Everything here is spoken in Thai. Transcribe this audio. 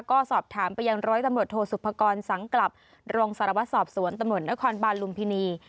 ก็สอบถามไปอย่างร้อยตะหมดโทรศุภากรสังกลับโรงสารวสอบสวนตะหมดนครบานลุมพินี